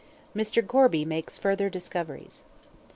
MR. GORBY MAKES FURTHER DISCOVERIES.